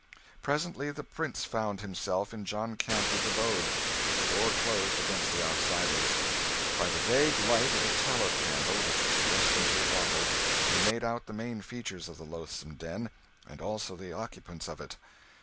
Presently the Prince found himself in John Canty's abode, with the door closed against the outsiders. By the vague light of a tallow candle which was thrust into a bottle, he made out the main features of the loathsome den, and also the occupants of it.